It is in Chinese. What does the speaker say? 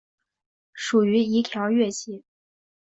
属于移调乐器。